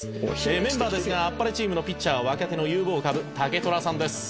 「メンバーですが天晴チームのピッチャーは若手の有望株タケトラさんです」